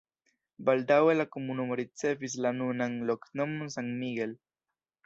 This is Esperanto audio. Baldaŭe la komunumo ricevis la nunan loknomon San Miguel.